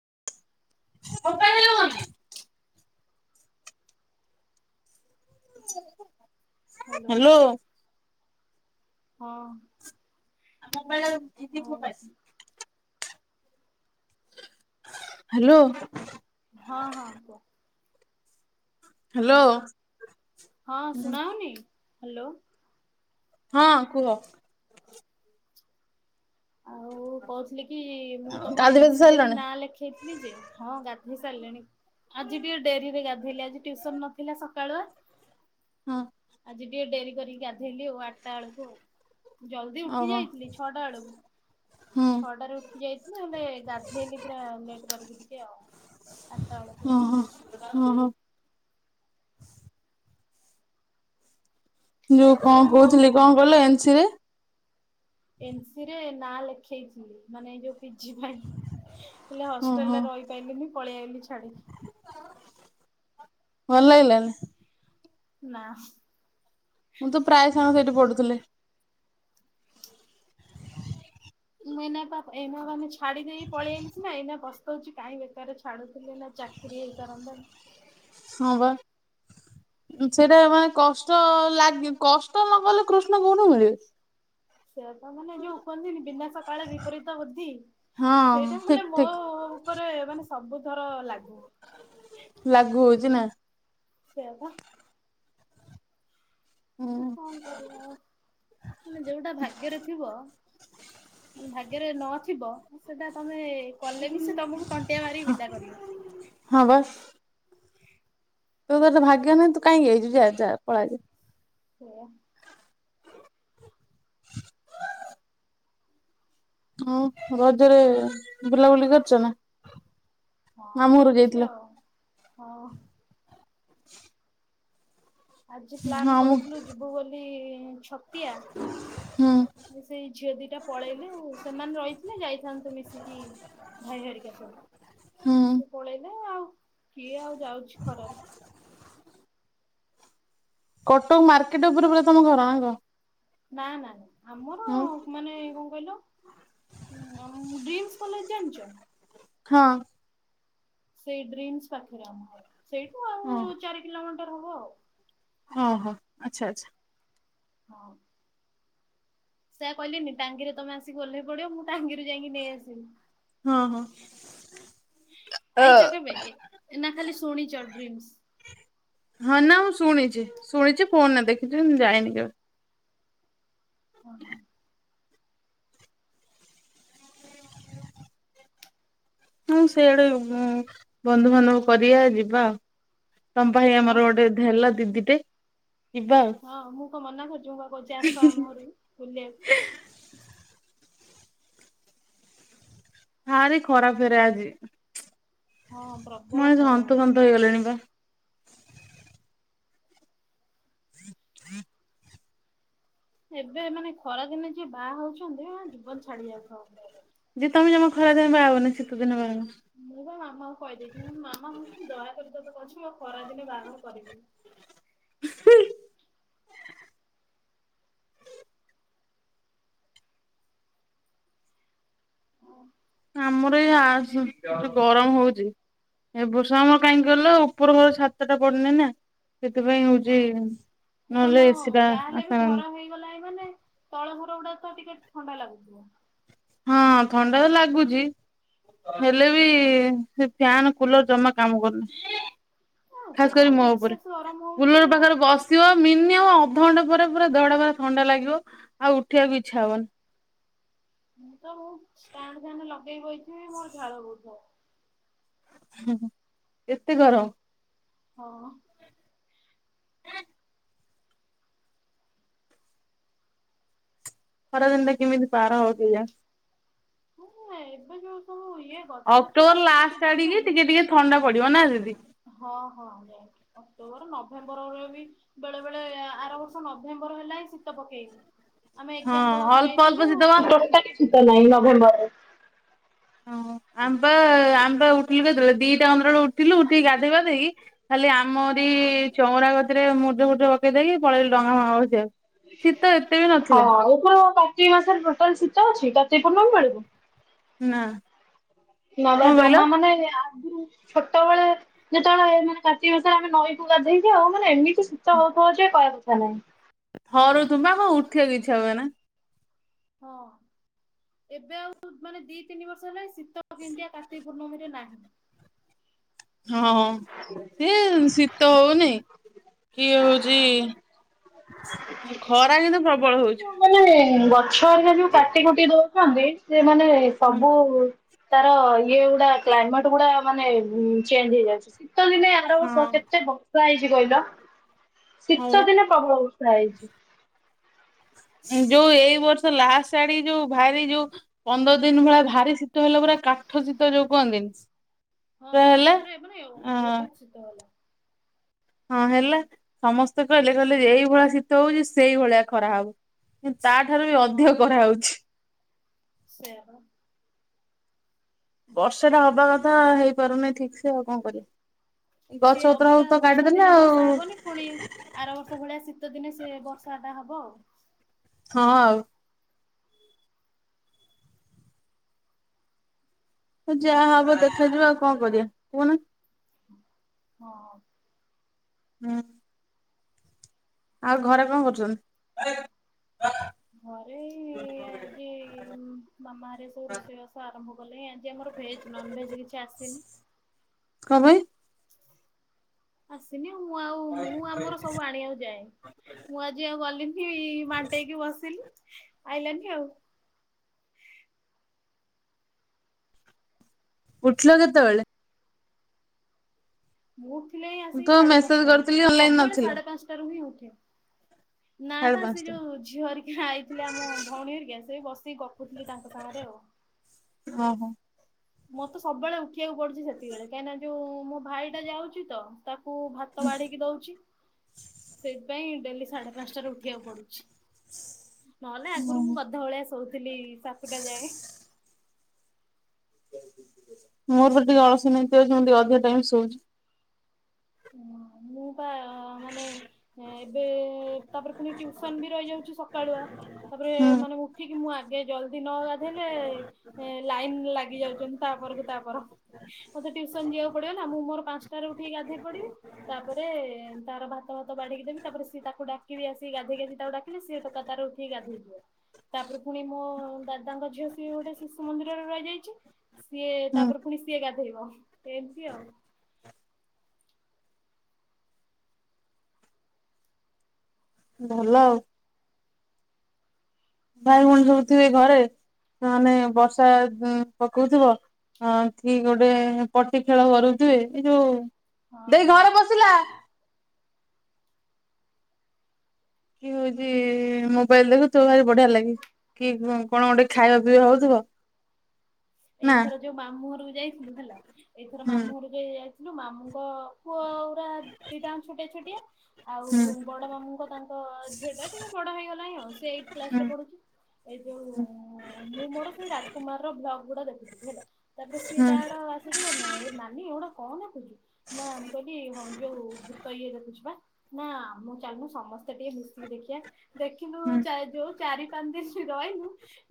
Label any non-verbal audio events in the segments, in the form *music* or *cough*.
*unintelligible* Hello. ହଁ। ଆଉ *unintelligible* hello. ହଁ ହଁ କୁଅ। ହ୍ୟାଲୋ। ହଁ ଶୁଣା ହଉନି ହ୍ୟାଲୋ। ହଁ କୁହ। ଆଉ କହୁଥିଲି କି ମୁଁ ତମ ଗାଧେଇ ଏନ ପାଧେଇ ସି ରେ ବି ସାରିଲଣି? ନାଁ ଲେଖେଇଥିଲି ଯେ, ହଁ ଗା ଗାଧେଇ ସାରିଲେଣି? ଆଜି ଟିକେ ଡେରିରେ ଗାଧେଇଲି ଆଜି ଟିଉସନ ନଥିଲା ସକାଳୁଆ। ହଁ ଟିକେ ଡେରି କରିକି ଗାଧେଇଲି ଆଉ ଆଠଟା ବେଳକୁ ଆଉ ଜଲଦି ଉଠି ଓହୋ ଯାଇଥିଲି ଛଅଟା ବେଳକୁ। ହୁଁ ଛଅଟାରେ ଉଠି ଯାଇଥିଲି ହେଲେ ଗାଧେଇଲି ପୁରା ଲେଟ କରିକି ଟିକେ ଆଉ। ଆଠଟା ବେଳକୁ ହୁଁ। ଯୋଉ ସେ କଣ ଆମ କହୁଥିଲି କଣ କହିଲ ଏନ ସି ରେ? ଏନ୍ସିରେ ନାଁ ଲେଖେଇଛି ମାନେ ଏ ଯୋଉ ପିଜି ପାଇଁ ହେଲେ ଓହୋ ହଷ୍ଟେଲରେ ରହିପାଇଲିନି ପଳେଇ ଆଇଲି ଛାଡିକି। ଭଲ ଲାଗିଲାନି। ନାଁ। ମୋର ତ ପ୍ରାୟ ସାଙ୍ଗ ସେଇଠି ପଢୁଥିଲେ। ମୁଁ ଏଇନା ପା ଏଇନା ମାନେ ଛାଡି ଦେଇକି ପଳେଇ ଆଇଲିି ସିନା ଏଇନା ପସ୍ତ କହୁଛି କାଇଁ ବେକାର ଛାଡୁଥିଲି ଏଇନା ଚାକିରିୀ ହେଇସାରନ୍ତାଣି? ହଁ ବା। ସେଟା ମାନେ କଷ୍ଟ ଲାଗେ କଷ୍ଟ ନ କଲେ କୃଷ୍ଣ କୋଉଠୁ ମିଳିବେ? ସେଇଆତ ମାନେ ଯୋଉ କୁହନ୍ତିନି ବିନାଶ କାଳେ ବିପରୀତ ବୁଦ୍ଧି ହଁ ସେଇଟା ଠିକ ମାନେ ମୋ ଠିକ ଉପରେ ମାନେ ସବୁଥର ଲା ଲାଗୁ ହଉଛି ନା। ସେଇଆ ବା। ହୁଁ କଣ କରିବା ଆଉ ମାନେ ଯୋଉଟା ଭାଗ୍ୟରେ ଥିବ, ଭାଗ୍ୟ ଭାଗ୍ୟରେ ନଥିବ ସେଟା ତମେ କଲେ ବି ସେ ତମକୁ ତଣ୍ଟିଆ ମାରିକି ବିଦା କରିବ। ହଁ ବା। ତୋର ଇଏ ତ ଭାଗ୍ୟ ନୁହଁ ତୁ କାହିଁକି ଆଇଛୁ ଯା-ଯା ପଳା ଏଇଟୁ ସେଇଆ। ହଁ ରଜରେ ବୁଲାବୁଲି କରିଛ ନା? ହଁ ମାମୁଁ ଘରକୁ କରିଛି ଯାଇଥିଲ ଆଉ ହଁ। ହ *unintelligible* ଆଜି ପ୍ଲାନ୍ କରୁଥିଲୁ ଯିବୁ ବୋଲି ଛତିଆ ହୁଁ ସେଇ ଝିଅ ଦିଟା ପଳେଇଲେ ଆଉ ସେମାନେ ରହିଥିଲେ ଯାଇଥାନ୍ତୁ ମିଶିକି ଭାଇ ହେରିକା ହୁଁ ସବୁ ସେ ପଳେଇଲେ ଆଉ କିଏ ଆଉ ଯାଉଛି ଖରାରେ? କଟକ ମାର୍କେଟ ଉପରେ ପୁରା ତମ ଘର ନା କଣ? ନା ନା ଆମର ମାନେ କ କଣ କହିଲ ଡ୍ରିମ୍ସ କଲେଜ ଜାଣିଛ? ହଁ। ସେଇ ଡ୍ରିମ୍ସ ପାଖରେ ଆମ ଘର। ସେଇଠୁ ଆଉ ଚାରି କିଲୋମିଟର ହବ ଆଉ। ହଁ ହଁ ଆଚ୍ଛା ଆଚ୍ଛା। ହଁ। ସେୟା କହିଲିନି ଟାଙ୍ଗିରେ ତମେ ଆସିଲି ଓହ୍ଲେଇ ପଡିବ ମୁଁ ଟାଙ୍ଗିରୁ ଯାଇକି ନେଇ ଆସିବି। ହଁ ହଁ। ଆଇଛ କେବେ ନା ଖାଲି ଶୁଣିଛ ଡ୍ରିମ୍ସ। ହଁ ନାଁ ମୁଁ ଶୁଣୁଛି ଶୁଣିଛି ଫୋନରେ ଦେଖିଚି ବି ଜାଣିନି କେବେ? ହଁ ହଁ। ହଁ ସେଇଆଡେ ଉଁ ବନ୍ଧୁବାନ୍ଧବ କରିଆ ଯିବା ଆଉ। ତମ ପାଇଁ ହଁ ଆମର ଗୋଟେ *unintelligible* ଦିଦିଟେ ଯିବା ଆଉ। ହଁ ମୁଁ କଣ ମନା କରୁଛି ମୁଁ ପା କହୁଛି ଆସ ଆମ ଘରୁକୁ ବୁଲିଆକୁ। ଭାରି ଖରା ଫେରେ ଆଜି। ହଁ ପ୍ରବଳ ମଣିଷ ଖରା ହନ୍ତ ହଉଛି। ସନ୍ତ ହେଇଗଲେଣି ବା। *inaudible* ଏବେ ମାନେ ଖରାଦିନେ ଯିଏ ବାହା ହୋଉଚନ୍ତି ଜୀବନ ଛାଡି ଯାଉଥିବ ପୁରା ଯେ ତମେ ଜମା ଖରା ଦିନ ବାହା ହବନି ଶୀତ ଦିନ ବାହ ହବ। ମୁଁ ପା ମାମାଙ୍କୁ କହିଦେଇଛି ମାମା ମତେ ଦୟାକରିଦ ତତେ କୋହୁଚି ମୋ ଖରାଦିନେ ବାହାଘର କରିବୁ ଓ। ଆମର ଏଇ ଆ ସ୍ ଯୋଉ ଗରମ ହଉଚି। ଏ ବର୍ଷା ଆମର କାହିଁକି କହିଲ ଉପର ଘର ଛାତ ଟା ପଡନି ନା ସେଥିପାଇଁ ହଉଛି ହଁ ନହେଲେ ତମ ଏସି ଟା ଯାହାହଲେ ବି ଘର ଆଶାନ୍ତା ହେଇଗଲାଣିଁ ମାନେ ତଳ ଘର ଗୁଡା ଟିକେ ଥଣ୍ଡା ଲାଗୁଥିବ। ହଁ ଥଣ୍ଡା ତ ଲାଗୁଚି। ହେଲେ ବି ସେ ଫ୍ୟାନ କୁଲର ଜମା କାମ କରୁନି। ଆଉ ଖାସ କରି ଗରମ ମୋ ଉପରେ ଏକ୍ସେସ୍ ଗରମ ହଉଛି ବୁଲର ଆଉ। ପାଖରେ ବସିବ ମିନିମମ୍ ଅ ଅଧ ଘଣ୍ଟେ ପରେ ପୁରା ଦେହ ଟା ପୁରା ଥଣ୍ଡା ଲାଗିବ। ଆଉ ଉଠିବାକୁ ଇଛା ହବନି। ମୁଁ ତ ମୁଁ ଷ୍ଟାଣ୍ଡ ଫ୍ୟାନ ଲଗେଇ ବଇଥିବି ମୋର ଝାଳ ବୋହୁଥିବ। ହୁଁ ହୁଁ ଏତେ ଗରମ ହଁ। ଖରା ଦିନଟା କେମିତି ପାର ହେବା କେଜାଣି ହଁ ଏବେ ଯୋଉ ସବୁ ଇ ଅକ୍ଟୋବର ଲାଷ୍ଟ ଆଡିକି ଟିକେ ଟିକେ ଥଣ୍ଡା ପଡିବ ନା ଦିଦି ହଁ ହଁ ଆଜ୍ଞା ଆଜ୍ଞା ଅକ୍ଟୋବର ନଭେମ୍ବର ରେ ବି ବେଳେ ବେଳେ ଆର ବର୍ଷ ନଭେମ୍ବର ହେଲେ ନାଇଁ ଶୀତ ପକେଇ ଆମେ ହଁ ଏଗଜାମ ଦବାକୁ ଅଳ୍ପ ଅଳ୍ପ ଶୀତ ବା ଯାଇଥିଲୁ *inaudible* ତ ନେଇ ନଭେମ୍ବରରେ ଓ ଆମ୍ପା ଆମ୍ପା ଉଠିଲୁ କେତେବେଳେ ଦିଇଟା କନ୍ଦର ବଳେ ଉ ଠିଲୁ ଉଠିକି ଗାଧେଇପାଧେଇକି ଖାଲି ଆମରରି ଚୋଉଁରା କତିରେ ମୂର୍ଜ ଫୁର୍ଜ ପକେଇ ଦେଇେଇକି ପଳେଇଲୁ ଡଙ୍ଗା ଫଙ୍ଗା ଭାସେଇବାକୁ। ହଁ ଉପର କାର୍ତ୍ତିକ ମାସରେ ଟୋଟାଲ ଶୀତ ଅଛି କାର୍ତ୍ତିକପୂର୍ଣ୍ଣମି ବେଳକୁ ନା। ନବା କଣ କହିଲ? ଜମା ମାନେ ଆ ଛୋଟ ବେଳେ ଯେତେଳେ ମାନେ କାର୍ତ୍ତିକ ମାସାରେ ଆମେ ନଈ ପ ଗାଧେଇକି ଆଉ ମାନେ ଏମିତି ଶୀତ ହୋଉଥିବ ଯେ କହିବା କଥା ନାହିଁ। ତୁମେ କଣ ଉଠଥିବ କିଛି ହୁଏନା। ହଁ ଏବେ ଆଉ ମାନେ ଦିଇ ତିନି ବର୍ଷ ହେଲା ଶୀତ କେନ୍ତିଆ କାର୍ତ୍ତିକ ପୂର୍ଣ୍ଣମୀରେ ନାହିଁ। ହଁ ସିଏ ଶୀତ ହୋଉନି। କିଏ ହୋଉଚି ଖରା କିନ୍ତୁ ପ୍ରବଳ ହୋଉଛି। ଏ ଗଛ ଆ ଯୋଉ କାଟି କୁଟି ଦୋଉଛନ୍ତି ସେମାନୋନେ ହୁଁ ସବୁ ତାର ଇଏ ଗୁଡା କ୍ଲାଇମେଟ ଗୁଡା ମାନେ ଚେଞ୍ଜ ହେଇଯାଉଛି। ଶୀତ ଦିନେ ଏାର ବର୍ଷ ହଁ। କେତେ ବର୍ଷା ହେଇଚି କହିଲ ହଁ ଶୀତ ପରା ଦିନେ ପ୍ରବଳ ବର୍ଷ ରାଇଚି ଯୋଉ ଏଇ ବର୍ଷ ଲାଷ୍ଟ ଆଡିକି ଯୋଉ ଭାରି ଯୋଉ ପନ୍ଦର ଦିନ ଭଳି ଭାରି ଶୀତ ହେଲା ପୁରା କାଠ ଶୀତ ଯୋଉ କୁହନ୍ତିନି। ହଁ ହଁ ପୁରା ମାନେ ଅ ବହୁତ ଶୀତ ହେଲା। ହଁ ହେଲା ସମସ୍ତେ କହିଲେ କହିଲେ ଏଇଭଳିଆ ଶୀତ ହୋଉଚି ସେଇଭଳିଆ ଖରା ହବ। ତାଠାରୁ ବି ହଁ ଅଧ କରାହୋଉଛି। ସେଇଆ ପା ବର୍ଷା ଟା ହବା କଥା ହେଇପାରୁନି ଠିକ ସେ ଆଉ କଣ କରିବ। ସିଏ ଅବିକା ବର୍ଷା ଦିନେ ବର୍ଷା ହବନି ପୁଣି ଆର ବର୍ଷ ଭଳିଆ ଶୀତ ଦିନେ ସେ ବର୍ଷା ଟା ହବ ଆଉ। ହଁ ଆଉ। ଯାହା ହବ ଦେଖାଯିବ ଆଉ କଣ କରିବା କୁହନ। ହଁ। ହୁଁ ଆଉ ଘରେ କଣ କରୁଚନ୍ତି? ଘରେ ଇଏ ଆଜି। ଉଁ ମାମା ହରିଆ ସବୁ ରୋଷେଇ ବାସ ଆରମ୍ଭ କଲେ ଆଜି ଆମର ଭେଜ୍ ନନଭେଜ୍ କିଛି ଆସିନି। କଣ ପାଇଁ ଆସିନି ଆଉ ମୁଁ ଆଉ ମୁଁ ଆମର ସବୁ ଆଣିବାକୁ ଯାଏ ମୁଁ ଆଜି ଆଉ ଗଲିନି। କି ମାଣ୍ଟେଇକି ବସିଲି ଆଇଲାନି ଆଉ। ଉଠିଲ କେତ ବେଳେ। ମୁଁ ଉଠିଲିଣୀ ମୁଁ ଆସିକି ତ ସାଢେ ମେସେଜ ପାନ୍ସଟାରୁ କରିଥିଲି ଅନଲାଇନ ସବୁବୋଳେ ନଥିଲ ସାଢେ ପାନ୍ସଟାରୁ ହିଁ ଉଠେ। ନା ସାଢେ ଟା ସେ ପାଞ୍ଚଟା ଯୋଉ ଝିଅ ହରିକା ଆଇଥିଲେ ଆମ ଭଉଣୀ ହରିକା ସେ ବସିକି ଗପ୍ ଉଠିଲି ତାଙ୍କ ସାଙ୍ଗରେ ଆଉ। ଓହୋ ମୋର୍ ତ ସବୁବେଳେ ଉଠିବାକୁ ପଡୁଛି ସେତିକି ବେଳେ କାହିଁକିନା ଯୋଉ ମୋ ଭାଇଟା ଯାଉଛି ତ ତାକ୍ କୁ ଭାତ ବାଢିକି ଦଉଛି। ସେଥିପାଇଁ ଡେଲି ସାଢେ ପାଞ୍ଚଟାରେ ଉଠିବାକୁ ପଡୁଛି। ନହେଲେ ଆଗରୁ ମୁଁ ଓହୋ ଗଧ ଭଳିଆ ଶୋଉଥିଲି ସାତୁଟା ଯାଏ। ମୋର ତ ଟିକେ ଅଳସୀ ନୀତି ଅଛି ମୁଁ ଟିକେ ଅଧିକା ଟାଇମ୍ ଶୋଉଛି। ଇ ମା ମୁଁ ପା ମାନେ ଏବେ ତାପରେ ପୁଣି ଟ୍ୟୁସନ୍ ବି ରହିଯାଉଛି ସକାଳୁଆ। ତାପରେ ହୁଁ ମାନେ ଉଠିକି ମୁଁ ଆ ଯେ ଜଲଦି ନଗାଧେଇଲେ ଲାଇନ୍ ଲାଗିଯାଉଛନ୍ତି ତାପରକୁ ତାପର। ମତେ ଟ୍ୟୁସନ୍ ଯିବାକୁ ପଡିବ ନା ମୁଁ ମୋର ପାଞ୍ଚଟାରେ ଉଠିକି ଗାଧେଇ୍ *unintelligible* ତାପରେ ତାର ଭାତ ଭାତ ବାଢିକି ଦେବି ତାପରେ ସେ ତାକୁ ଡାକିବି ଆସି ଗାଦେଇକି ଆସି ତାକୁ ଡାକିଲେ ସେ ଟୋକା ତାର ଉଠିକି ଗାଧେଇ ଯିବ। ତାପରେ ପୁଣି ମୋ ଦାଦାଙ୍କ ଝିଅ ସେ ଗୋଟେ ଶିଶୁ ମନ୍ଦିରରେ ରହିଯାଇଛି। ସିଏ ହୁଁ ତାପରେ ପୁଣି ସିଏ ଗାଧୋଇବ ଏମତି ଆଉ। ଭଲ ଆଉ। ଭାଇ ଭଉଣୀ ସବୁ ଥିବେ ଘରେ ମାନେ ବର୍ଷା ହୁଁ ପକଉଥିବ ହଁ କି ଗୋଟେ ପଟି ଖେଳ କରୁଥିବେ ଏଇ ଯୋଉ ଦେଇ ହଁ। ଘରେ ପସିଲା। କିଏ ହଉଛି ମୋବାଇଲ ଦେଖୁଥିବ ଭାରି ବଢିଆ ଲାଗେ। କି କଣ୍ କ'ଣ ଗୋଟେ ଖାଇବା ପିଇବା ହଉଥିବ ନା ଏଇଥର ଯୋଉ ମାମୁଁ ଘରକୁ ଯାଇଥିଲୁ ହେଲା ଏଇଥର ହୁଁ ମାମୁଁ ଘରକୁ ଯାଇ ଇଲେ ମାମୁଁଙ୍କ ପୁଅଗୁରା ଦିଟାଙ୍କ ଛୋଟିଆ ଛୋଟିଆ ହୁଁ ଆଉ ବଡ ମାମୁଁଙ୍କ ତାଙ୍କ ଝିଅଟା ଟିକେ ବଡ ହେଇଗଲାଣି ଆଉ। ସେ ଏଇଠ୍ ହୁଁ କ୍ଲାସରେ ପଢୁଛି। ଏଇ ଯୋଉ ମୁଁ ମୋର ସେଇ ରାଜକୁମାର ର ବ୍ଲଗ୍ ଗୁଡା ଦେଖୁଥିଲି ହେଲା। ତାପରେ ସିଏ ହୁଁ ତାର ଆସିଗଲାଣି ନା ଏ ନାନୀ ଏଗୁଡା କଣ ଦେଖୁଛୁ? ନା ମୁଁ କହିଲି ହଁ ଯୋଉ ଭୂତ ଇଏ ଦେଖୁଛୁ ବା। ନା ମୁଁ ଚାଲନୁ ସମସ୍ତେ ଟିକେ ମିଶିକି ଦେଖିବା ଦେଖିଲୁ ଚା ଯୋଉ ଚାରି ପାଞ୍ଚ ଦିନ ରହିଲୁ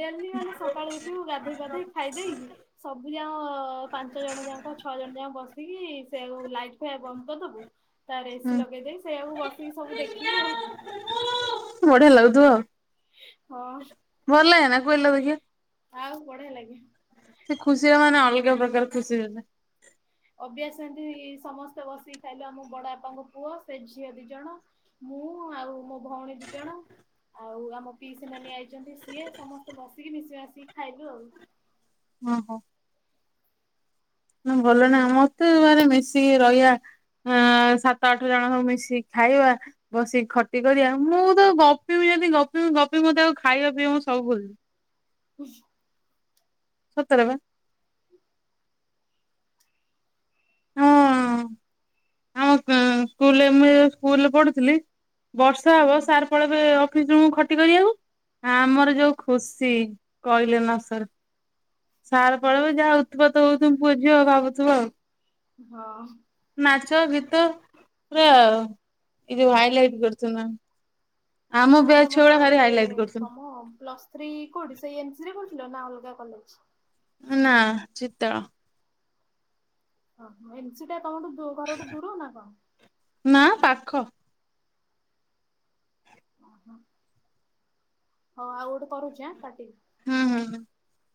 ଡେଲି ମାନେ ସକାଳୁ ଉଠିବୁ ଗାଧୋଇ ପାଧେଇ ଖାଇଦକି ସବୁ ଯାଁ ପାଞ୍ଚ ଜଣ ଯାକ ଛଅ ଜଣ ଯାକ ବସିକି ସେ ଲାଇଟ୍ ଫ୍ୟାନ୍ ବନ୍ଦ କରଦବୁ ତାପରେ ହୁଁ ଏସିି ଲଗେଇଦେଇ ସେଆକୁ ବସିକି ସବୁ ଦେଖିବୁ ଆଉ। ବଢିଆ ଲାଗୁଥୁବ ଆଉ। ହଁ। ଭଲ ଲାଗେନା କହିଲା ଦେଖିଆ ଆଉ ବଢିଆ ଲାଗେ ସେ ଖୁସି ହବ ମାନେ ଅଲ ଗା ପ୍ରକାର ଖୁସି ହେବେ। ଅଭ୍ୟାସ ଏନ୍ତି ସମସ୍ତେ ବସିକି ଖାଇଲୁ ଆମ ବଡ ବାପାଙ୍କ ପୁଅ ସେ ଝିଅ ଦି ଜଣ ମୁଁ ଆଉ ମୋ *inaudible* ଭଉଣୀ ଦିଇ ଜଣ। ଆଉ ଆମ ପିଇସି ନାନୀ ଆଇଚନ୍ତି ସିଏ ସମସ୍ତେ ବସିକି ମିଶି ମାଶିକି ଖାଇଲୁ ଆଉ। ଅହଁ। ହଁ ଭଲ ନା ଆମର ତ ଘରେ ମିଶିକି ରହିବା। ଅଁ ସାତ ଆଠ ଜଣ ସବୁ ମିଶିକି ଖାଇବା ବସିକି ଖଟି କରିବା ମୁଁ ତ ଗପିବି ଗପି ଗପି ମୋତେ ଆଉ ଖାଇବା ପିଇବା ମୁଁ ସବୁ ଭୁଲି ଯିବି। ହୁଁ ସତର ବା ହଁ ଆମ ସ୍କୁଲରେ ମୁଁ ଯେତେବେଳେ ସ୍କୁଲରେ ପଢୁଥିଲି ବର୍ଷା ହବ ସାର୍ ପଳବେ ଅଫିସ ରୁମ ଖଟି କରିବାକୁ ଆମର ଯୋଉ ଖୁସି କହିଲେ ନା ସରେ ସାରେ ପଳେଇବ ଯାହା ଉତ୍ପାତ ହୋଉଥିବୁ ପୁଅଝିଅ ଆଉ ଭାବୁଥିବ ଆଉ। ହଁ ନାଚ, ଗୀତ ପୁରା ଏଇ ଯୋଉ ହାଇଲାଇଟ କରୁଚୁ ନା ଆଉ ତମର ଇଏ କରୁଥିଲେ। କଣମ ପ୍ଲସ ଥ୍ରୀ କୋଉଠି ସେଇ ଏନ ସି ରେ କ ନା ଅଲଗା କଲେଜ ନା ଚିତଳ ଓ ଏନ ସି ଟା ତମଠୁ ଦୂ ଘରଠୁ ଦୂରୁ ନା କଣ? ଖ ଓହୋ ହଉ ଆଉ ଗୋଟେ କରୁଚି ଆଁ କାଟିକି *inaudible*